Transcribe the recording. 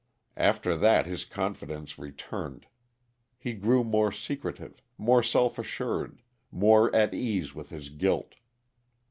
After that his confidence returned. He grew more secretive, more self assured, more at ease with his guilt.